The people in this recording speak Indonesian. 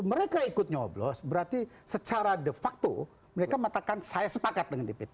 mereka ikut nyoblos berarti secara de facto mereka mengatakan saya sepakat dengan dpt